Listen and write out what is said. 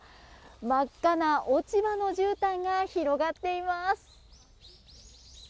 真っ赤な落ち葉のじゅうたんが広がっています。